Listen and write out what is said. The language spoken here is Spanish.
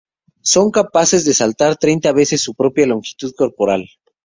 Son capaces de saltar treinta veces su propia longitud corporal.